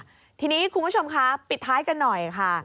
ทีนี้คุณผู้ชมคะปิดท้ายกันหน่อยค่ะ